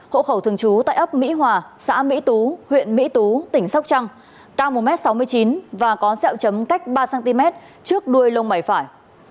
hộ khẩu thường trú tại ấp mỹ hòa xã mỹ tú huyện mỹ tú tỉnh sóc trăng cao một m sáu mươi chín và có xẹo chấm cách ba cm trước đuôi lông mày phải